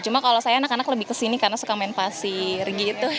cuma kalau saya anak anak lebih ke sini karena suka main pasir gitu